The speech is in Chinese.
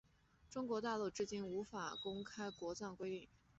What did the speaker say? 中国大陆至今无公开国葬规定。